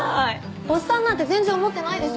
オッサンなんて全然思ってないですよ。